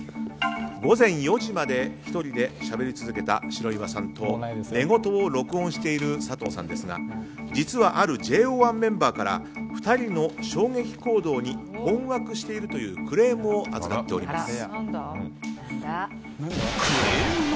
午前４時まで１人でしゃべり続けた白岩さんと寝言を録音している佐藤さんですが実はあるＪＯ１メンバーから２人の衝撃行動に困惑しているというクレームを預かっております。